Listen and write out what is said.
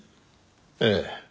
ええ。